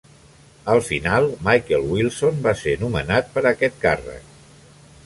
Al final, Michael Wilson va ser nomenat per a aquest càrrec.